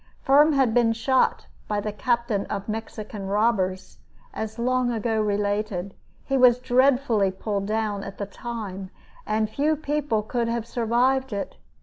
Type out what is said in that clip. Firm had been shot by the captain of Mexican robbers, as long ago related. He was dreadfully pulled down at the time, and few people could have survived it.